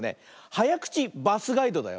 「はやくちバスガイド」だよ。